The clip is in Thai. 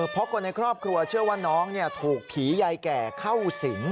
เพราะคนในครอบครัวเชื่อว่าน้องถูกผียายแก่เข้าสิง